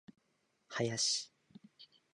林